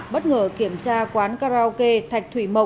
bất ngờ kiểm tra quán karaoke thạch thủy mộc